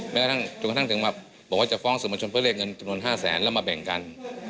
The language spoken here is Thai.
แม้ว่าจะฟ้องสื่อมชนเพื่อเลขเงินถูกนวด๕แสนคมแล้วมาแบ่งกัน